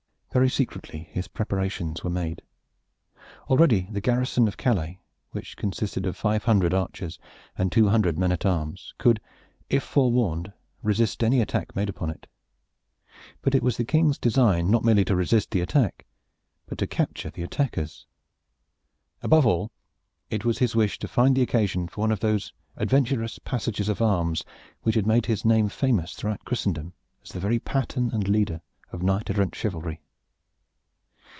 Very secretly his preparations were made. Already the garrison of Calais, which consisted of five hundred archers and two hundred men at arms, could, if forewarned, resist any attack made upon it. But it was the King's design not merely to resist the attack, but to capture the attackers. Above all it was his wish to find the occasion for one of those adventurous passages of arms which had made his name famous throughout Christendom as the very pattern and leader of knight errant chivalry.